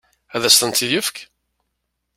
Ad asent-tent-yefk?